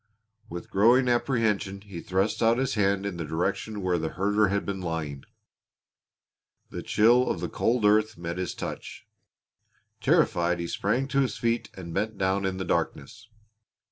With growing apprehension he thrust out his hand in the direction where the herder had been lying. The chill of the cold earth met his touch. Terrified he sprang to his feet and bent down in the darkness.